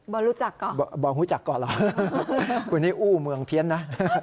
บรรรุจักก่อบรรรุจักก่อหรอคุณนี่อู้เมืองเพี้ยนนะ